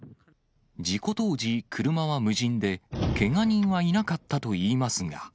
事故当時、車は無人で、けが人はいなかったといいますが。